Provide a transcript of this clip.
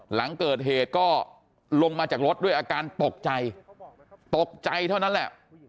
หลังเกิดเหตุก็ลงมาจากรถด้วยอาการตกใจตกใจเท่านั้นแหละ